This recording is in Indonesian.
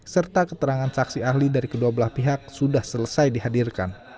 serta keterangan saksi ahli dari kedua belah pihak sudah selesai dihadirkan